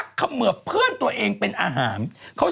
คลิปน่ารักอะไร